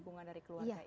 dukungan dari keluarga itu